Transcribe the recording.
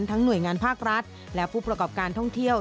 หน่วยงานภาครัฐและผู้ประกอบการท่องเที่ยว